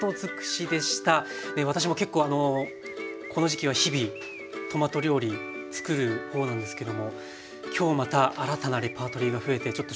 私も結構この時期は日々トマト料理つくる方なんですけども今日また新たなレパートリーが増えてちょっと食卓が豊かになりそうです。